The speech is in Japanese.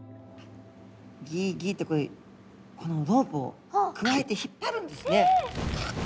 ギギってこのロープをくわえて引っ張るんですね。